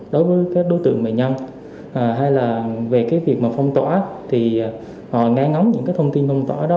đối với các đối tượng bài nhăn hay là về việc phong tỏa thì họ ngay ngóng những thông tin phong tỏa đó